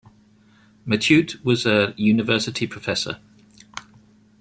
Matute was a university professor.